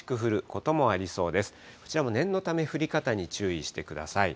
こちらも念のため、降り方に注意してください。